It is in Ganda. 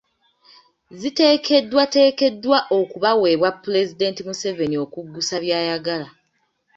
Ziteekeddwateekeddwa okubaweebwa Pulezidenti Museveni okuggusa by’ayagala .